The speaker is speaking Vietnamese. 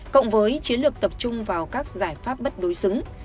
cộng với chiến lược tập trung vào các giải pháp bất đối xứng